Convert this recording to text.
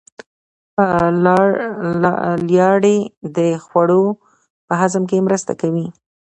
لاړې د خوړو په هضم کې مرسته کوي